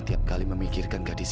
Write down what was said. tidak ada mau mampu portakal